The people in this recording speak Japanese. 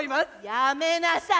やめなさい